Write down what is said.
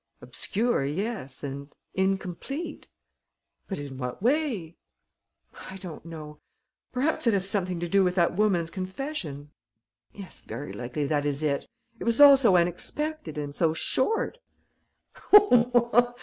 "Obscure, yes, and incomplete." "But in what way?" "I don't know. Perhaps it has something to do with that woman's confession. Yes, very likely that is it. It was all so unexpected and so short."